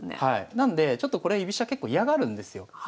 なのでちょっとこれ居飛車結構嫌がるんですよ。